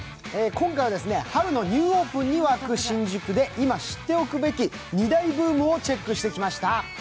今回は春のニューオープンに沸く新宿で今知っておくべき２大ブームをチェックしてきました